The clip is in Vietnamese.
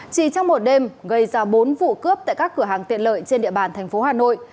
chỉ trong một đêm gây ra bốn vụ cướp tại các cửa hàng tiện lợi trên địa bàn thành phố hà nội